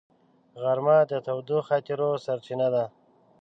غرمه د تودو خاطرو سرچینه ده